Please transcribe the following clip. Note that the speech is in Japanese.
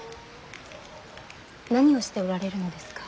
何をしておられるのですか。